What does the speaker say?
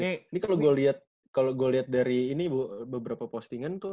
ini kalo gue liat kalo gue liat dari ini beberapa postingan tuh